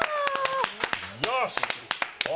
よし！